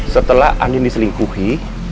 setelah andin diselingkuhi